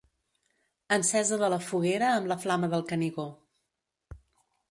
Encesa de la foguera amb la flama del Canigó.